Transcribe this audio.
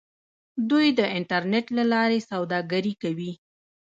دوی د انټرنیټ له لارې سوداګري کوي.